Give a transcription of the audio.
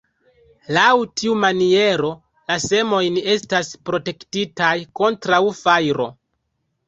Laŭ tiu maniero, la semojn estas protektitaj kontraŭ fajro.